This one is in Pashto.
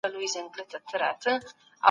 نبي علیه السلام د ټولو لپاره رحمت و.